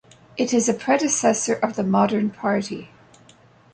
It is a predecessor of the modern party.